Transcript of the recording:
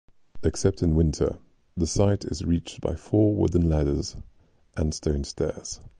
Except in winter, the site is reached by four wooden ladders and stone stairs.